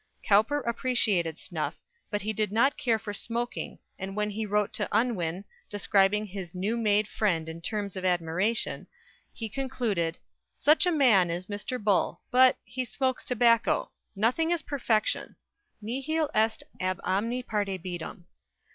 Cowper appreciated snuff, but did not care for smoking, and when he wrote to Unwin, describing his new made friend in terms of admiration, he concluded "Such a man is Mr. Bull. But he smokes tobacco. Nothing is perfection 'Nihil est ab omni parte beatum.'"